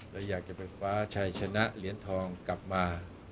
และอยากจะไปคว้าชัยชนะเหรียญทองกลับมา